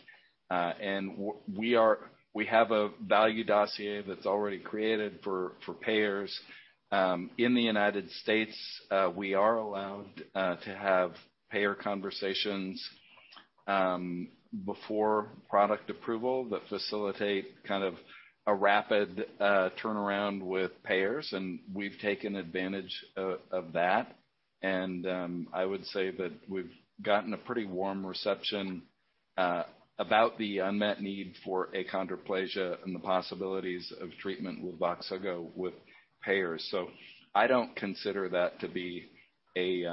We have a value dossier that's already created for payers. In the United States, we are allowed to have payer conversations before product approval that facilitate kind of a rapid turnaround with payers, and we've taken advantage of that. I would say that we've gotten a pretty warm reception about the unmet need for achondroplasia and the possibilities of treatment with VOXZOGO with payers. I don't consider that to be a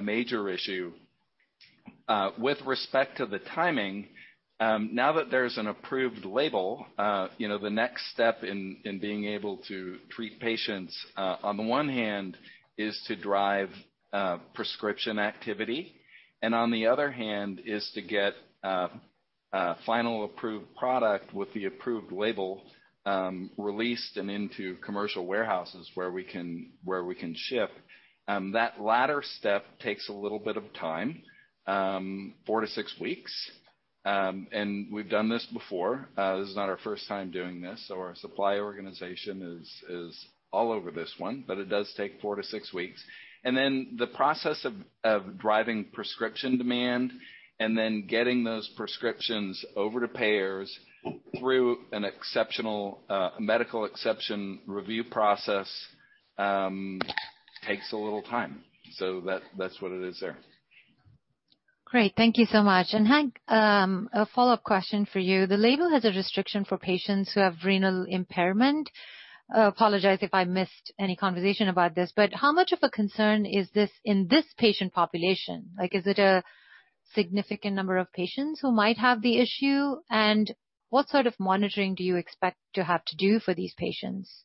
major issue. With respect to the timing, now that there's an approved label, you know, the next step in being able to treat patients, on the one hand is to drive prescription activity, and on the other hand is to get a final approved product with the approved label released and into commercial warehouses where we can ship. That latter step takes a little bit of time, four to six weeks. We've done this before. This is not our first time doing this. Our supply organization is all over this one, but it does take four to six weeks. Then the process of driving prescription demand and then getting those prescriptions over to payers through an exceptional medical exception review process takes a little time. That's what it is there. Great. Thank you so much. Hank, a follow-up question for you. The label has a restriction for patients who have renal impairment. I apologize if I missed any conversation about this, but how much of a concern is this in this patient population? Like, is it a significant number of patients who might have the issue? And what sort of monitoring do you expect to have to do for these patients?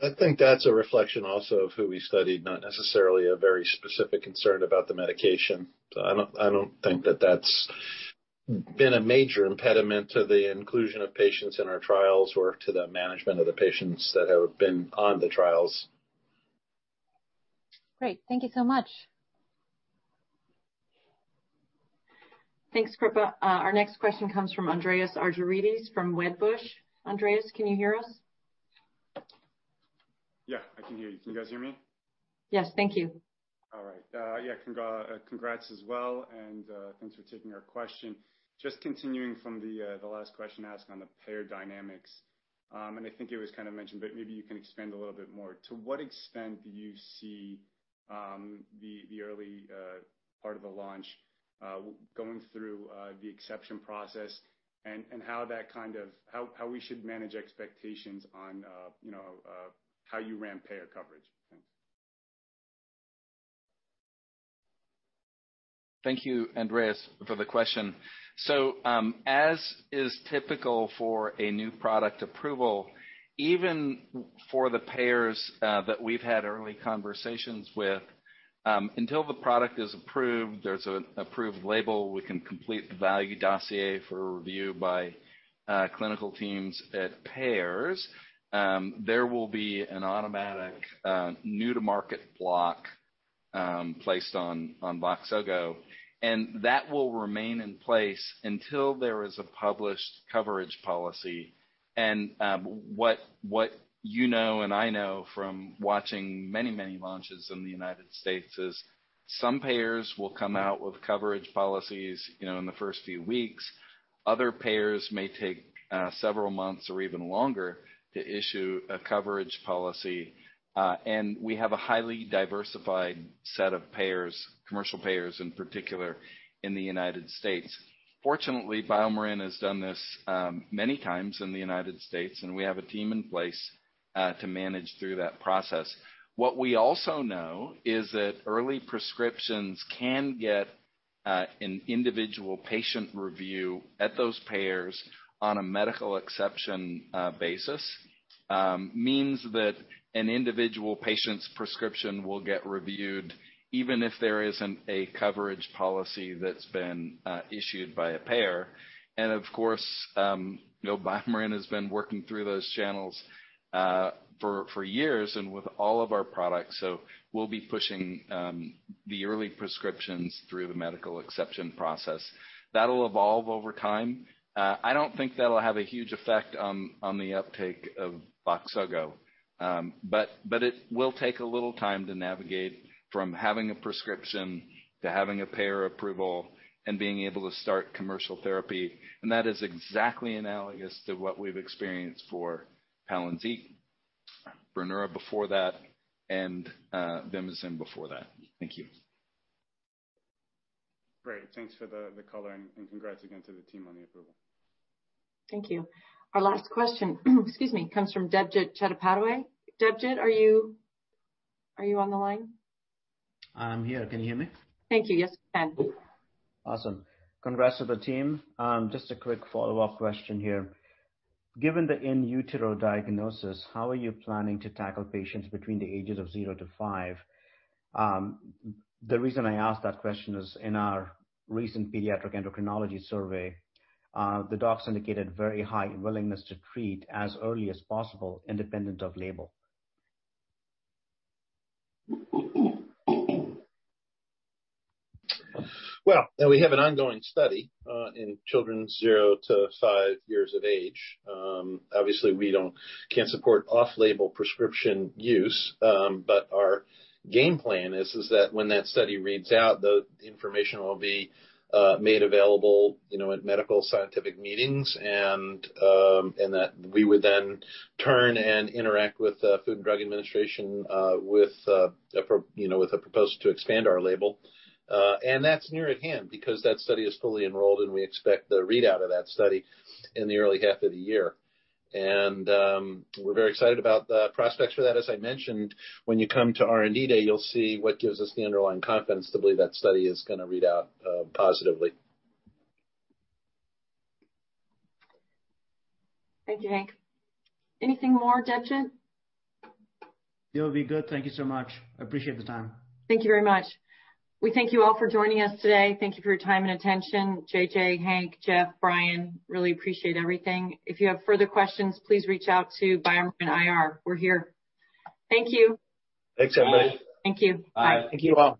I think that's a reflection also of who we studied, not necessarily a very specific concern about the medication. I don't think that that's been a major impediment to the inclusion of patients in our trials or to the management of the patients that have been on the trials. Great. Thank you so much. Thanks, Kripa. Our next question comes from Andreas Argyrides from Wedbush. Andreas, can you hear us? Yeah, I can hear you. Can you guys hear me? Yes. Thank you. All right. Yeah, congrats as well, and thanks for taking our question. Just continuing from the last question asked on the payer dynamics. I think it was kind of mentioned, but maybe you can expand a little bit more. To what extent do you see the early part of the launch going through the exception process and how we should manage expectations on you know how you ramp payer coverage? Thanks. Thank you, Andreas, for the question. As is typical for a new product approval, even for the payers that we've had early conversations with, until the product is approved, there's a approved label, we can complete the value dossier for review by clinical teams at payers, there will be an automatic new-to-market block placed on VOXZOGO, and that will remain in place until there is a published coverage policy. What you know and I know from watching many launches in the United States is some payers will come out with coverage policies, you know, in the first few weeks. Other payers may take several months or even longer to issue a coverage policy. We have a highly diversified set of payers, commercial payers in particular, in the United States. Fortunately, BioMarin has done this many times in the United States, and we have a team in place to manage through that process. What we also know is that early prescriptions can get an individual patient review at those payers on a medical exception basis. Means that an individual patient's prescription will get reviewed even if there isn't a coverage policy that's been issued by a payer. Of course, you know, BioMarin has been working through those channels for years and with all of our products, so we'll be pushing the early prescriptions through the medical exception process. That'll evolve over time. I don't think that'll have a huge effect on the uptake of VOXZOGO. It will take a little time to navigate from having a prescription to having a payer approval and being able to start commercial therapy. That is exactly analogous to what we've experienced for PALYNZIQ, BRINEURA before that, and VIMIZIM before that. Thank you. Great. Thanks for the coloring, and congrats again to the team on the approval. Thank you. Our last question, excuse me, comes from Debjit Chattopadhyay. Debjit, are you on the line? I'm here. Can you hear me? Thank you. Yes, we can. Awesome. Congrats to the team. Just a quick follow-up question here. Given the in utero diagnosis, how are you planning to tackle patients between the ages of zero to five? The reason I ask that question is in our recent pediatric endocrinology survey, the docs indicated very high willingness to treat as early as possible, independent of label. Well, we have an ongoing study in children zero to five years of age. Obviously, we can't support off-label prescription use, but our game plan is that when that study reads out, the information will be made available, you know, at medical scientific meetings, and that we would then turn and interact with the Food and Drug Administration, you know, with a proposal to expand our label. That's near at hand because that study is fully enrolled, and we expect the readout of that study in the early half of the year. We're very excited about the prospects for that. As I mentioned, when you come to R&D Day, you'll see what gives us the underlying confidence to believe that study is gonna read out positively. Thank you, Hank. Anything more, Debjit? It'll be good. Thank you so much. I appreciate the time. Thank you very much. We thank you all for joining us today. Thank you for your time and attention. JJ, Hank, Jeff, Brian, we really appreciate everything. If you have further questions, please reach out to BioMarin IR. We're here. Thank you. Thanks, everybody. Thank you. Bye. Thank you all.